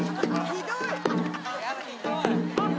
ひどい。